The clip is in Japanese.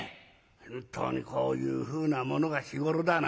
本当にこういうふうなものが。